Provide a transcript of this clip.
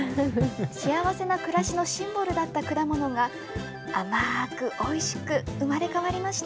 幸せな暮らしのシンボルだった果物が、甘ーくおいしく生まれ変わりました。